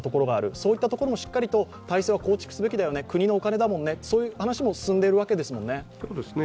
そういったところもしっかり体制は構築すべき、国のお金だもんね、そういう話も進んでいるわけですもんね？